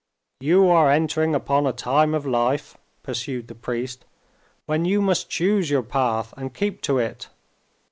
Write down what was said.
"You are entering upon a time of life," pursued the priest, "when you must choose your path and keep to it.